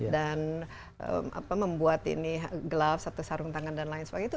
dan membuat ini gloves atau sarung tangan dan lain sebagainya